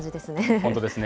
本当ですね。